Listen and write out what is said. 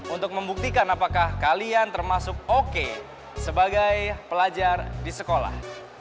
untuk membuktikan apakah kalian termasuk oke sebagai pelajar di sekolah